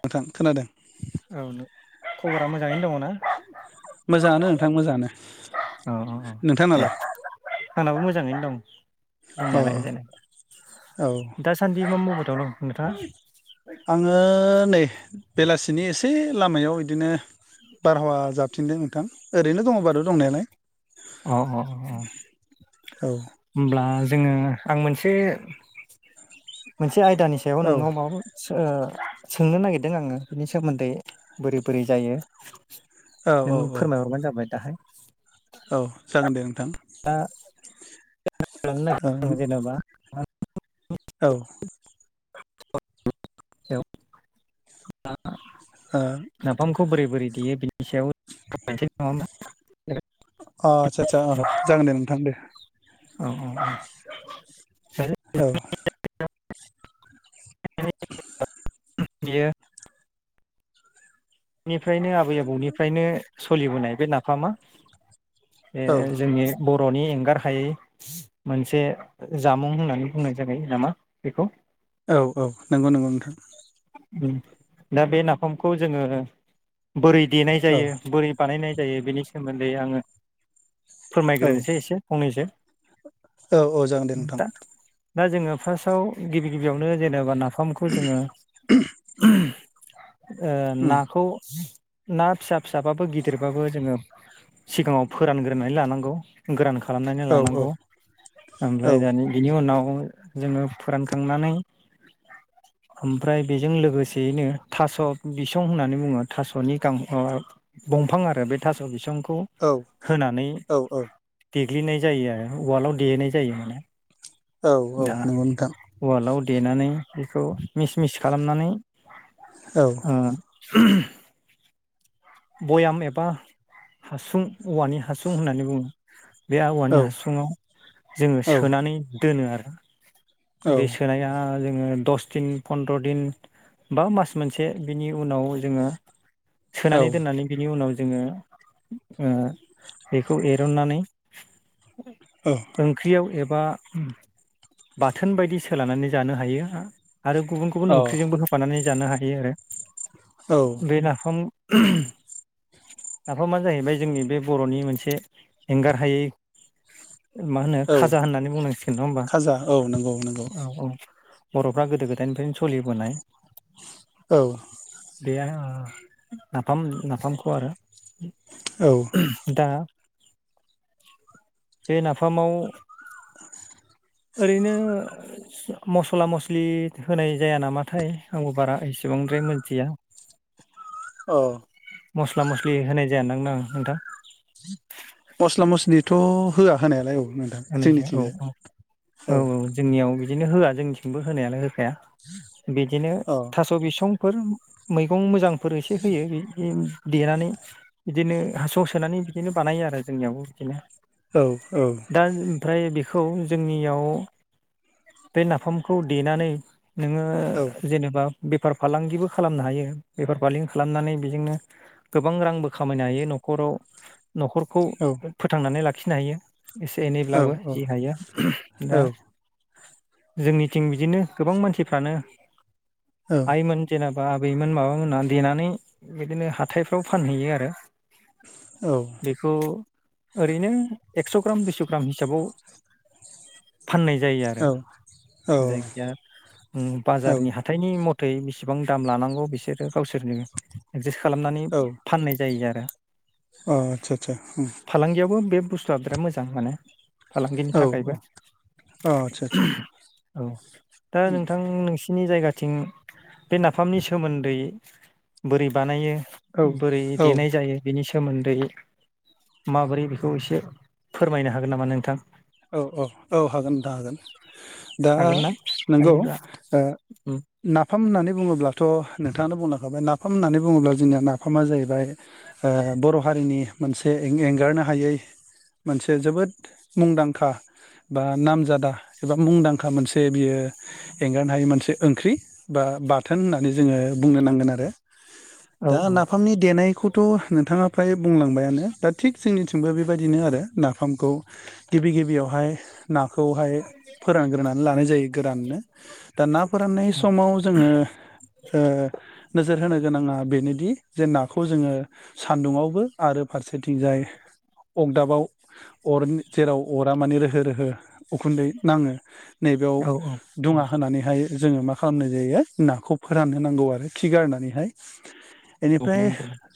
नोंथां खोनादों औ खबरा मोजाङैनो दङ ना मोजाङानो नोंथां मोजाङानो। अ अ दे नोंथांनालाय आंनाबो मोजाङैनो दं अ आंनायालाय जेने औ दासान्दि मा मावबाय। दङ नोंथाङा आङो नै बेलासिनि एसे लामायाव इदिनो बारहावा जााबथिंदों नोंथां ओरैनो दङ बारु दंनायालाय। अ अ अ अ औ होमब्ला। जोङो आं मोनसे मोनसे आयदानि सायाव औ नोंनाव माबा सो ओ सोंनो नागिरदों आङो बिनि सोमोन्दै बोरै बोरै जायो औ औ नों औ फोरमायहरबानो जाबाय दाहाय। औ जागोन दे नोंथां। दा औ [unintelligible] जेनेबा औ [unintelligible] दा अ नाफामखौ बोरै बोरै देयो बिनि सायाव [unintelligible] अ आस्सा सा जागोन दे नोंथां दे औ औ औ औ [unintelligible] [unintelligible] बेयो बेनिफ्रायनो आबै आबौनिफ्रायनो सलिबोनाय बे नाफामा बे औ जोंनि। बर'नि एंगार हायै मोनसे जामुं होननानै बुंनाय जाबाय नामा बेखौ। औ औ नंगौ नंगौ नोंथां ओम दा बे नाफामखौ जोङो। बोरै देनाय औ जायो बोरै बानायनाय जायो बेनि सोमोन्दै आङो। औ फोरमायग्रोनोसै एसे फंनैसै औ औ जागोन दे नोंथां दा दा जोङो फार्स्टआव गिबि गिबियावनो जेनेबा नाफामखौ जोङो। ओ उम ना ना फिसा फिसाबाबो गिदिरबाबो जोङो। सिगाङाव फोरानग्रोनानै लानांगौ गोरानख खालामनानै औ औ लानांगौ औ ओमफ्राय दानि बिनि उनाव। जोङो फोरानखांनानै। ओमफ्राय बेजों लोगोसेयैनो थास' बिसं होननानै बुङो थास'नि गां अ दंफां आरो बे थास' बिसं खौ औ होनानै औ देग्लिनाय जायो आरो उवालाआव देहनाय जायो माने औ औ दा नंगौ नोंथां उवालाआव देनानै बेखौ मिस मिस खालामनानै औ अ भयाम एबा हासुं औवानि हासुं होननानै बुङो बे औ औवानि हासुङाव जोङो सोनानै दोनो आरो। बे सोनाया जोङो दस दिन फन्द्र' दिन बा मास मोनसे बिनि उनाव जोङो। औ सोनानै दोननानै बिनि उनाव जोङो ओ बेखौ एरननानै औ ओंख्रियाव एब बा बाथोन बायदि सोलनानै जानो हायो। आरो गुबुन औ गुबुन ओंख्रिजोंबो होफानानै जानो हायो आरो औ बे नाफाम। [unintelligible] नाफामा जाहैबाय जोंनि बे बर'नि मोनसे एंगार हायै मा होनो औ खाजा होननानै बुंनांसिगोन नङा होमबा खाजा औ नंगौ नंगौ औ औ बर'फ्रा गोदो गोदायनिफ्रायनो सोलिबोनाय औ बे ओ नाफाम नाफामखौ आरो औ दा बे नाफामाव ओरैनो मस्ला मस्लि होनाय जाया नामाथाय आंबो बारा एसे बांद्राय मोनथिया औ मस्ला मस्लि होनाय जायादां ना नोंथां मस्ला मस्लिथ' होआ होनायालाय औ नोंथां औ जोंनिथिंजाय औ औ औ जोंनियाव बिदिनो होआ जोंनिथिंबो होनायानो होखाया बिदिनो औ थास' बिसं फोर मैगं मोजांफोर एसे होयो बे देनानै बिदिनो हास'आव सोनानै बिदिनो बानायो आरो जोंनियावबो बिदिनो औ औ दा ओमफ्राय बेखौ जोंनियाव बे नाफामखौ देनानै नोङो औ जेनेबा बेफार फालांगिबो खालामनो हायो बेफार फालांगि खालामनानै बेजोंनो गोबां रांबो खामायनो हायो न'खराव न'खरखौ औ फोथांनानै लाखिनो हायो। एसे औ एनैब्लाबो जि हायो औ दा जोंनिथिं बिदिनो गोबां मानसिफ्रानो आइमोन जेनेबा बा आबैमोन माबामोना देनानै बिदिनो हाथायफ्राव फानहैयो आरो बेखौ ओरैनो एक्स' ग्राम बिसग्राम हिसाबाव फाननाय जायो आरो औ जायखिाया उम अ आदसा बाजारनि हाथाइनि मथे यै बेसेबां दाम लानांगौ बिसोरो गावसोरनो एडजासट खालामनानै फाननाय जायो आरो। अ' आतसा आतसा फालांगियावबो बे बुस्थुआ बिराद मोजां माने फालांगिनि औ थाखायबो अ आदसा आदसा औ दा नोंथां नोंसि सिनि जायगाथिं बे नाफामनि सोमोन्दै बोरै बानायो। औ बोरै औ देनाय जायो बिनि सोमोन्दै माबोरै बेखौ एसे फोरमायनो हागोन नामा नोंथां? औ औ औ हागोन नोंथां हागोन दा हागोन ना नोंगौ हायोबा उम नाफाम होननानै बुङोब्लाथ' नोंथाङा बुं नाफाम होननानै बुङोब्ला जोंनिया नाफामा जाहैबाय बर' हारिनि मोनसे एंगारनाय नो हायै मोनसे जोबोद मुंदांखा बा नामजादा एबा मुंदांखा मोनसे बियो एंगारनो हायि मोनसे ओंख्रि बा बाथोन होननानै जोङो बुंनो नांगोन आरो औ दा औ नाफामनि देनायखौ थ' नोंथाङा फ्राय बुंलांबायानो दा थिग जोंनिथिंबो बेबायदिनो आरो नाफामखौ गिबि गिबियावहाय नाखौहाय फोरानग्रोनानै लानाय जायो गोराननो दा ना फोराननाय समाव जोङो ओ नोजोर होनो गोनाङा बेनो दि जे नाखौ जोङो सान्दुंङावबो आरो फारसेथिंजाय अगदाबाव अर जेराव अरा माने रोहो रोहो उखुन्दै नाङो नैबेयाव औ दुङा होनानैहाय। जोङो मा खालामनाय जायो नाखौ फोरानहोनांगौ आरो खि गारनानैहाय। औ बेनिफ्राय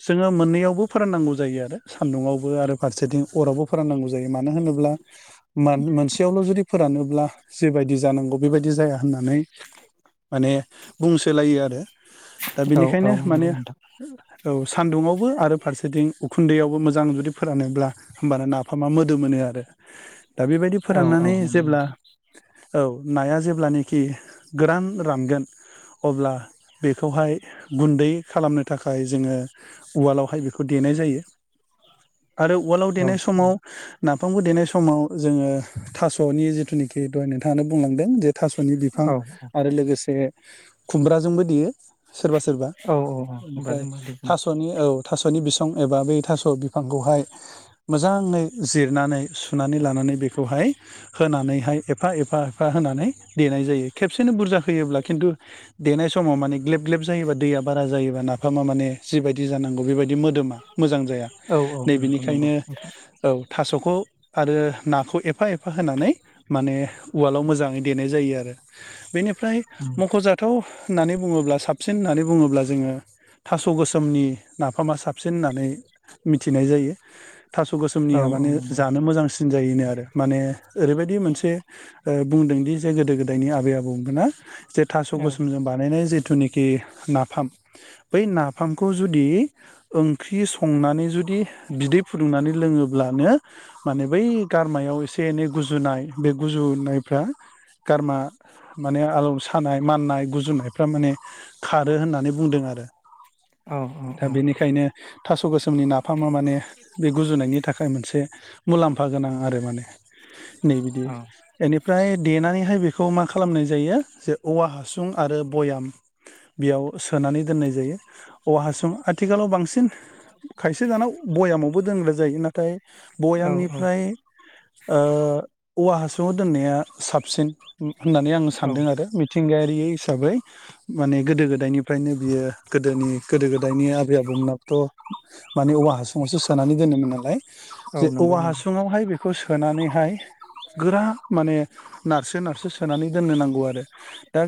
जोङो मोननैआवबो फोराननांगौ जायो आरो सान्दुंआवबो आरो फारसेथिं अरावबो फोराननांगौ जायो। मानो होनोब्ला मोनसेआवल' जुदि फोरानोब्ला जेबाय दि जानांगौ बेबायदि जाया होननानै माने बुंसोलायो आरो दा औ बेनिखायनो नंगौ माने नोंथां औ सान्दुंआवबो आरो फारसेथिं उखुन्दैआवबो मोजां जुदि फोरानोब्ला होमबानो नाफामा मोदोमोनो आरो दा बेबायदि औ औ फोराननानै नंगौ जेब्ला नोंथां औ नाया जेब्लानोखि गोरान रानगोन अब्ला बेखौहाय गुन्दै खालामनो थाखाय जोङो उवालावहाय बेखौ दे देनाय जायो। [inaudible] आरो उवालाव औ देनाय समाव नाफामखौ देनाय समाव जोङो थास'नि जिथुनिखि दहाय नोंथांआनानै बुंलांदों जे थास'नि बिफां औ आरो लोगोसे खुमब्राजोंबो देयो। सोरबा सोरबा औ होमबा बेनिफ्राय जोंबो गोजोननाय थास'नि औ। थास'नि बिसं एबा बै थास' बिफांखौहाय मोजाङै जिरनानै सुनानै लानानै बेखौहाय होनानैहाय एफा एफा एफा होनानै दे देनाय जायो खेबसेनो बुरजा होयोब्ला खिन्थु देनाय समाव माने ग्लेब ग्लेब जायोबा दैया बारा जायोबा नाफाम आ मोने जिबायदि जानांगौ बेबादि मोदोमा मोजां जाया औ औ नै नंगौ नंगौ बिनिखायनो औ थास'खौ आरो नाखौ एफा एफा होनानै माने उवालाव मोजाङै देनाय जायो आरो। आरो बेनिफ्राय मख'जाथाव होननानै बुङोब्ला साबसिन होननानै बुङोब्ला जोङो थास' गोसोमनि नाफामा साबसिन होननानै मिथिनाय जायो थास' औ गोसोमनिया औ माने नंगौ जानो मोजांसिन जायोनो आरो माने ओरैबायदि मोनसे ओ बुंदोंदि जे गोदो गोदायनि आबै आबौमोना जे थास' गसोमजों बानायनाय जिथुनि खि नाफाम बै नाफामखौ जुदि ओंख्रि संनानै जुदि बिदै फुदुंनानै लोङो ब्लानो माने बै गारमायाव एसे एनै गुजुनाय बे गुजुनायफ्रा गारमा माने आलौ सानाय माननाय गुजुनायफ्रा माने खारो होननानै बुंदों आरो रो औ औ औ दा बेनिखायनो थास' गोसोमनि नाफामा माने बे गुजुनायनि एसे मुलाम्फा गोनां आरो माने नै बिदि बेनिफ्राय देनानै हाय बेखौ मा खालामनाय जायो जे औवा हासुं आरो बयाम बेयाव सोनानै दोननाय जायो। औवा हासुं आथिखालाव बांसिन खायसे दाना भयामावबो दोनग्रा जायो ना नाथाय औ भयामनिफ्रायवओ औवा हासुङाव दोननाया साबसिन होननानै आङो सानदों आरो मिथिंगायारियै हिसाबै माने गोदो गोदायनिफ्रायनो बियो गोदोनि गोदो गोदायनि आबै आबौमोनाबोथ' माने औवा हासुङावसो सोनानै दोनोमोन नालाय औ जे नंगौ औवा नंगौ हासुङावहाय बेखौ सोनानैहाय गोरान माने नारसो नारसो सोनानै दोननो नांगौ आरो दा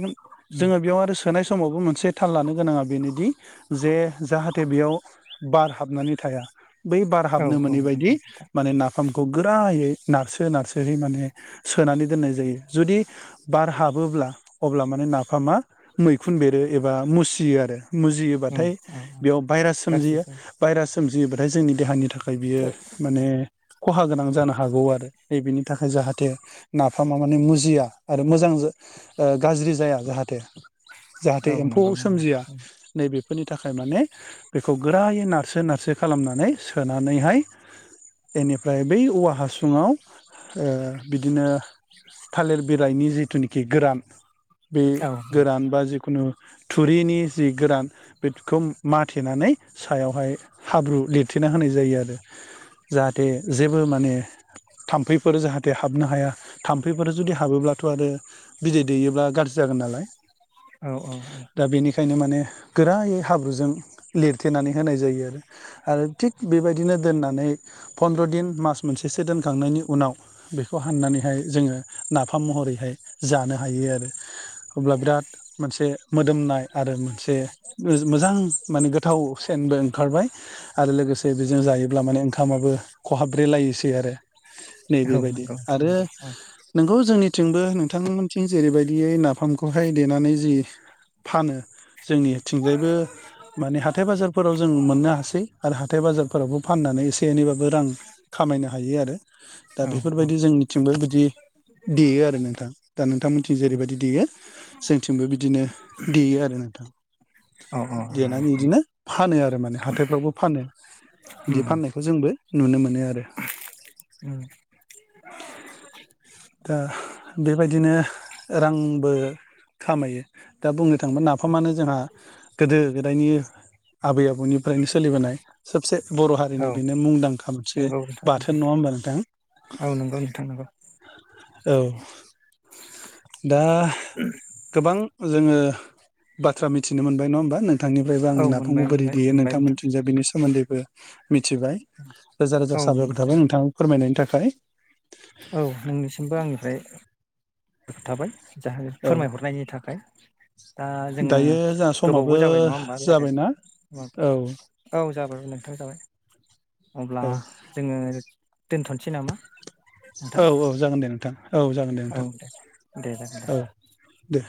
उम जोङो बेयाव आरो सोनाय समावबो मोनसे थाल लानो गोनाङा बेनोदि जे जाहाथे बेयाव बार हाबनानै थायो। बै बार औ हाबनो औ नंगौ मोनैबायदि नोंथां माने ना फामखौ गोरायै नारसो नारसोहै माने सोनानै दोननाय जायो जुदि बार हाब हाबोब्ला अब्ला माने नाफामा मैखुन बेरो एबा मुसियो आरो। उम मुजियोबाथाय औ औ बेयाव भाइरास गाज्रि सोमजियो जायो भाइरास सोमजियोबाथाय जोंनि देहानि थाखाय [unintelligible] ने खहा गोनां जानो हागौ आरो नै बेनि थाखाय जाहाथे नाफामा माने मुजिया आरो मोजां जो ओ--गाज्रि जाया जाहाथे जाहाथे औ एम्फौ नंगौ नंगौ सोमजिया नैबे फोरनि थाखाय माने बेखौ गोरायै नारसो नारसो खालामनानै सोनानैहाय बेनिफ्राय बै औवा हासुङाव बिदिनो थालिर बिलाइनि जिथुनाखि गोरान बे औ गोरान बा जिखुनु थुरिनि जि गोरान बेखौ माथेनानै सायावहाय हाब्रु लिरथे ना होनाय जायो आरो जाहाथे जेबो माने थाम्फैफोर जाहाथे हाबनो हाया थाम्फैफोर जुदि हाबोब्लाथ' आरो बिदै दैयोब्ला गाज्रि जागोन नालाय औ औ दा बेनिखायनो माने गोरायै हाब्रुजों लिरथेनानै होनाय जायो आरो आरो थिग बेबायदिनो दोननानै फन्द्र' दिन मास मोनसेसो दोनखांनायनि उनाव बेखौ हाननानैहाय जोङो नाफाम महरैहाय जानो हायो आरो अब्ला बिराद मोनसे मोदोमनाय आरो मोनसे [unintelligible] मोजां माने गोथाव सेनबो ओंखारबाय आरो लोगोसे बेजों जायो तामाने ओंखामाबो खहाब्रलायसै आरो। नै औ बेेबायदि नंगौ नोंथां आरो नंगौ औ नोंगौ जोंनिथिंबो नोंथांमोनथिं जेरैबायदियै न फामखौहाय देनानै जि फानो जोंनिथिंजायबो माने हाथाय बाजारफोराव जों मोननो हासै आरो हाथथाय बाजार फाननानै एसे एनैबाबो रां खामायनो हायो आरो दा औ औ बेफोरबायदि जोंनिथिंबो बिदि देयो आरो नोंथां दा नोंथांमोनथिं जेरैबायदि देयो जोंथिंबो बिदिनो देयो आरो औ औ देनानै बिदिनो फानो आरो माने हाथायफ्रावबो फानो बिदि उम फाननायखौ जोंबो नुनो मोनो आरो। उम दा बेबायदिनो रांबो खामायो। दा बुंनो थाङोबा नाफामानो जोंहा गोदो गोदायनि आबै आबौनिफ्रायनो सोलिबोनाय सबसे बर' हारिनि औ बेनो मुंदांखा मोनसे नंगौ नोंथां नंगौ बाथोन नङा होनबा नोथां। [unintelligible] औ दा गोबां जोङो बाथ्रा मिथिनो मोनबाय नङा होमबा नोंथांनिफ्रायबो औ आङो नाफामखौ मोनबाय बोरै मोनबाय देयो मोनबाय नोंथां नोंथांमोनथिजाया बेनि स सोमोन्दैबो मिथिबाय रोजा रोजा औ साबायर मोनबाय थाबाय नोंथाङा फोरमायनायनि थाखाय। औ नोंनिसिमबो आंनिफ्राय थाबाय जाहे औ फोरमायहरनायनि थाखाय दा जोङो दायो जोंहा समाबो गोबावबो जाबाय नङा होमबा जाबायना रायज्लायनाया समाबो औ जाबाय औ जाबाय हनै। हथाव जाबाय अब्ला औ जोङो दोनथ'नोसै नामा नोंथां औ औ जागोन दे नोंथां औ जागोन दे दे जागोन दे नोंथां औ दे।